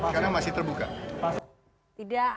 karena masih terbuka